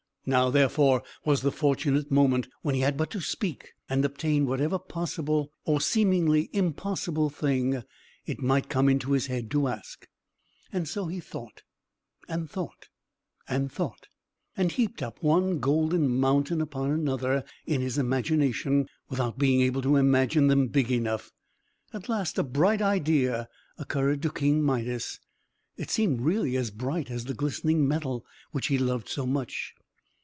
Now, therefore, was the fortunate moment, when he had but to speak, and obtain whatever possible, or seemingly impossible thing, it might come into his head to ask. So he thought, and thought, and thought, and heaped up one golden mountain upon another, in his imagination, without being able to imagine them big enough. At last, a bright idea occurred to King Midas. It seemed really as bright as the glistening metal which he loved so much.